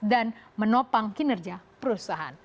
dan menopang kinerja perusahaan